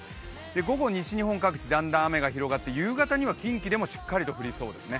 午後、西日本各地、だんだん雨が広がって、夕方には近畿でもしっかりと降りそうですね。